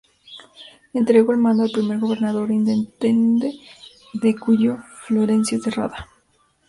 Entregó el mando al primer gobernador intendente de Cuyo, Florencio Terrada.